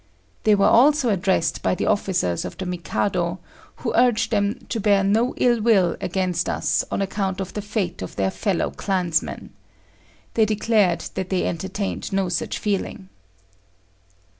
They were also addressed by the officers of the Mikado, who urged them to bear no ill will against us on account of the fate of their fellow clansman. They declared that they entertained no such feeling.